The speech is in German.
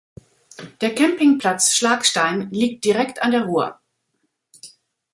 Der Campingplatz Schlagstein liegt direkt an der Rur.